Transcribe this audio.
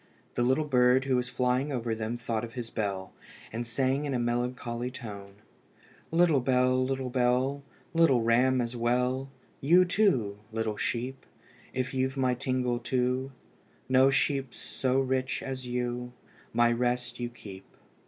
The little bird who was flying over them thought of his bell, and sang in a melancholy tone "Little bell, little bell, Little ram as well, You, too, little sheep, If you've my tingle too, No sheep's so rich as you, My rest you keep."